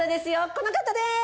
この方でーす！